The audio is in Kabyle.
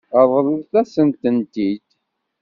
Ṛḍel-asent-tent-id.